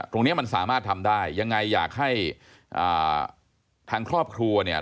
ตรงนี้มันสามารถทำได้ยังไงอยากให้ทางครอบครัวเนี่ย